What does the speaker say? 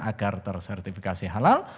agar tersertifikasi halal